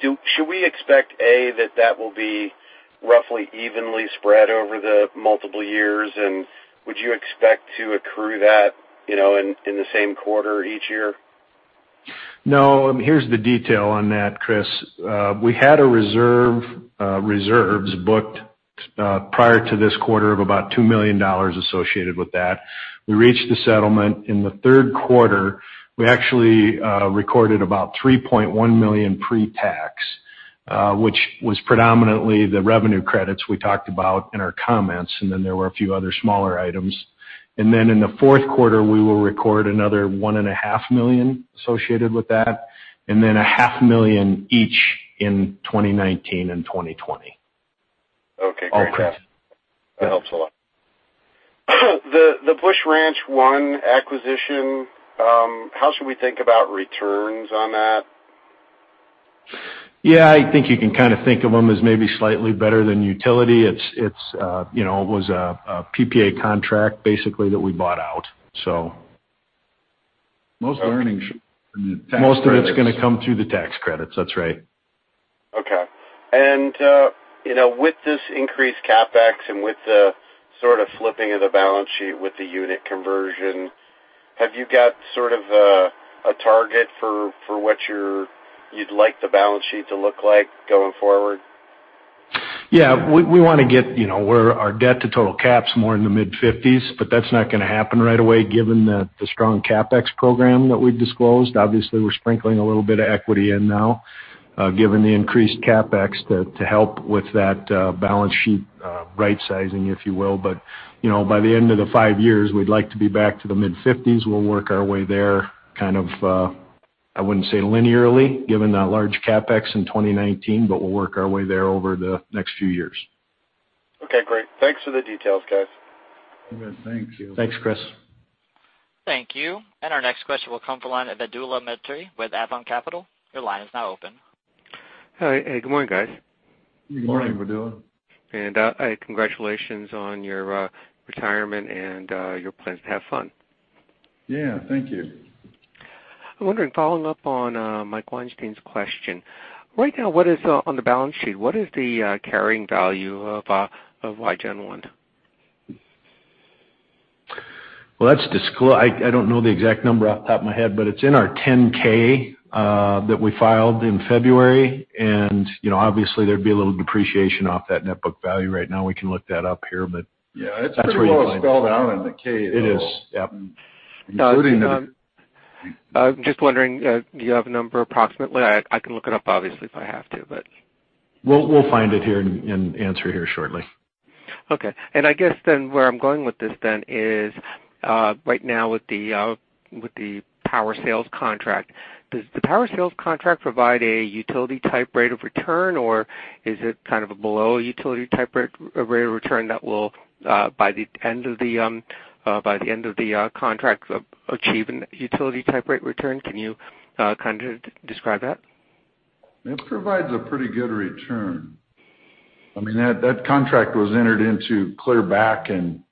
should we expect, A, that that will be roughly evenly spread over the multiple years, and would you expect to accrue that in the same quarter each year?
No. Here's the detail on that, Chris Ellinghaus. We had reserves booked prior to this quarter of about $2 million associated with that. We reached the settlement in the 3rd quarter. We actually recorded about $3.1 million pre-tax, which was predominantly the revenue credits we talked about in our comments, and then there were a few other smaller items. In the 4th quarter, we will record another $1.5 million associated with that, and then $0.5 million each in 2019 and 2020.
Okay, great.
All credits.
That helps a lot. The Busch Ranch 1 acquisition, how should we think about returns on that?
Yeah, I think you can kind of think of them as maybe slightly better than utility. It was a PPA contract, basically, that we bought out.
Most earnings should be in the tax credits.
Most of it's going to come through the tax credits, that's right.
Okay. With this increased CapEx and with the sort of flipping of the balance sheet with the unit conversion, have you got sort of a target for what you'd like the balance sheet to look like going forward?
Yeah, we want to get our debt to total caps more in the mid-50s, but that's not going to happen right away given the strong CapEx program that we've disclosed. Obviously, we're sprinkling a little bit of equity in now, given the increased CapEx to help with that balance sheet right-sizing, if you will. By the end of the 5 years, we'd like to be back to the mid-50s. We'll work our way there kind of, I wouldn't say linearly, given that large CapEx in 2019, but we'll work our way there over the next few years.
Okay, great. Thanks for the details, guys.
Good. Thank you.
Thanks, Chris.
Thank you. Our next question will come from the line of Vedula Murti with Avon Capital. Your line is now open.
Hi. Good morning, guys.
Good morning.
Good morning, Vidula.
Congratulations on your retirement and your plans to have fun.
Yeah, thank you.
I'm wondering, following up on Mike Weinstein's question. Right now, on the balance sheet, what is the carrying value of Wygen I?
Well, I don't know the exact number off the top of my head, but it's in our 10-K that we filed in February, and obviously, there'd be a little depreciation off that net book value right now. We can look that up here, but that's where you'll find it.
Yeah, it's pretty well spelled out in the K.
It is, yep.
Including.
I'm just wondering, do you have a number approximately? I can look it up obviously if I have to, but
We'll find it here and answer here shortly.
Okay. I guess then where I'm going with this then is, right now with the power sales contract, does the power sales contract provide a utility-type rate of return, or is it kind of a below utility-type rate of return that will, by the end of the contract, achieve a utility-type rate return? Can you kind of describe that?
It provides a pretty good return. I mean, that contract was entered into clear back in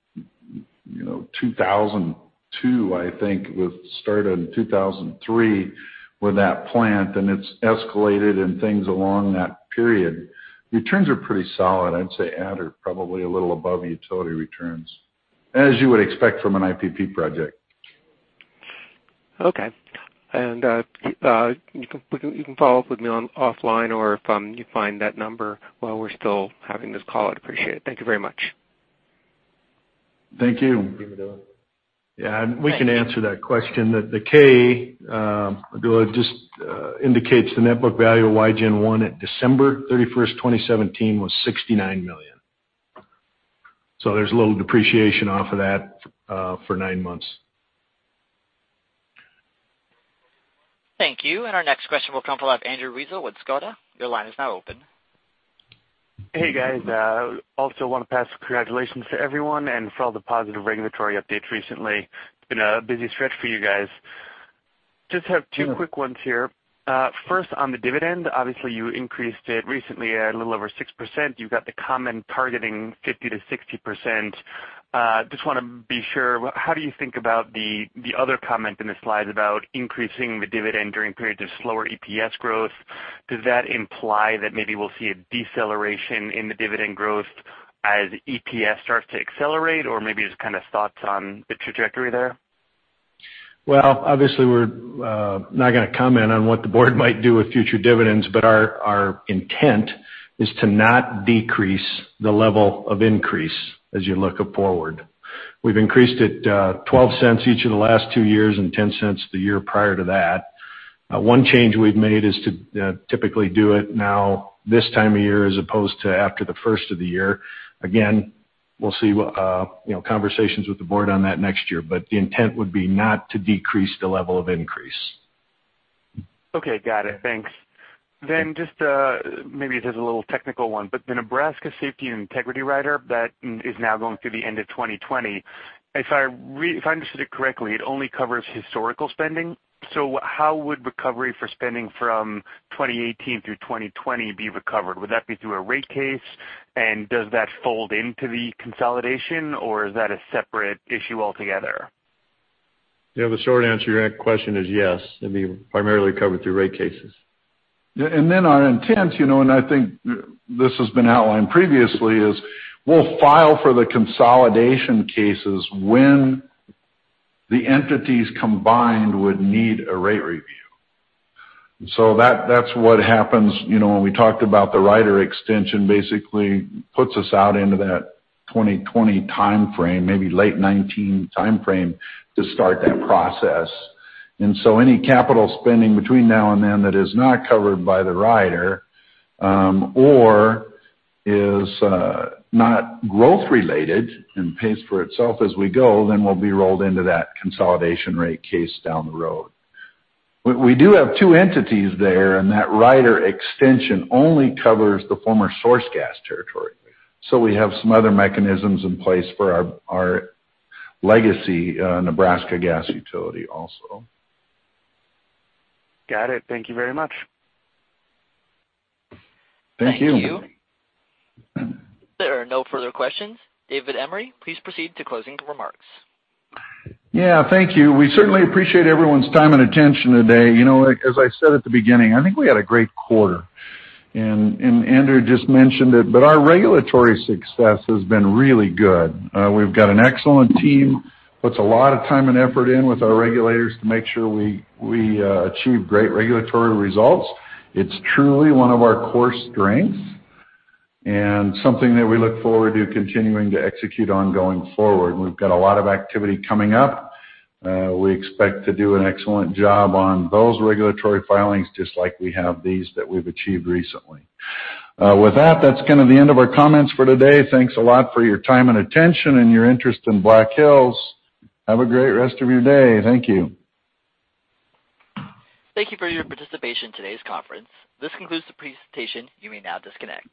2002, I think, with start in 2003 with that plant, and it's escalated and things along that period. Returns are pretty solid. I'd say at or probably a little above utility returns, as you would expect from an IPP project.
Okay. You can follow up with me offline or if you find that number while we're still having this call, I'd appreciate it. Thank you very much.
Thank you.
Thank you, Vidula.
We can answer that question. The K, Vidula, just indicates the net book value of Wygen I at December 31st, 2017, was $69 million. There's a little depreciation off of that for nine months.
Thank you. Our next question will come from Andrew Weisel with Scotiabank. Your line is now open.
Hey, guys. Also want to pass congratulations to everyone and for all the positive regulatory updates recently. It's been a busy stretch for you guys. Just have two quick ones here. First on the dividend, obviously you increased it recently a little over 6%. You've got the comment targeting 50%-60%. Just want to be sure, how do you think about the other comment in the slides about increasing the dividend during periods of slower EPS growth? Does that imply that maybe we'll see a deceleration in the dividend growth as EPS starts to accelerate, or maybe just kind of thoughts on the trajectory there?
Well, obviously, we're not going to comment on what the board might do with future dividends, our intent is to not decrease the level of increase as you look forward. We've increased it $0.12 each of the last two years and $0.10 the year prior to that. One change we've made is to typically do it now this time of year, as opposed to after the first of the year. Again, we'll see conversations with the board on that next year, the intent would be not to decrease the level of increase.
Okay. Got it. Thanks. Maybe this is a little technical one, but the Nebraska Safety and Integrity Rider that is now going through the end of 2020, if I understood it correctly, it only covers historical spending. How would recovery for spending from 2018 through 2020 be recovered? Would that be through a rate case? Does that fold into the consolidation, or is that a separate issue altogether?
Yeah, the short answer to your question is yes. It would be primarily covered through rate cases.
Yeah. Our intent, and I think this has been outlined previously, is we will file for the consolidation cases when the entities combined would need a rate review. That is what happens. When we talked about the rider extension basically puts us out into that 2020 timeframe, maybe late 2019 timeframe, to start that process. Any capital spending between now and then that is not covered by the rider, or is not growth-related and pays for itself as we go, then will be rolled into that consolidation rate case down the road. We do have two entities there, and that rider extension only covers the former SourceGas territory. We have some other mechanisms in place for our legacy Nebraska Gas utility also.
Got it. Thank you very much.
Thank you.
Thank you.
There are no further questions. David Emery, please proceed to closing remarks.
Yeah. Thank you. We certainly appreciate everyone's time and attention today. As I said at the beginning, I think we had a great quarter, and Andrew just mentioned it, but our regulatory success has been really good. We've got an excellent team, puts a lot of time and effort in with our regulators to make sure we achieve great regulatory results. It's truly one of our core strengths and something that we look forward to continuing to execute on going forward. We've got a lot of activity coming up. We expect to do an excellent job on those regulatory filings, just like we have these that we've achieved recently. With that's kind of the end of our comments for today. Thanks a lot for your time and attention and your interest in Black Hills. Have a great rest of your day. Thank you.
Thank you for your participation in today's conference. This concludes the presentation. You may now disconnect.